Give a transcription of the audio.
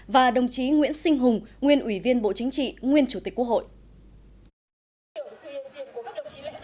và đồng chí nguyễn sinh hùng nguyên ủy viên bộ chính trị nguyên chủ tịch quốc hội